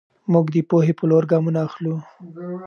موږ د پوهې په لور ګامونه اخلو.